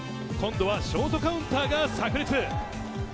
今度はショートカウンターがさく裂。